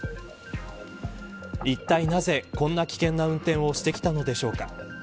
いったいなぜこんな危険な運転をしてきたのでしょうか。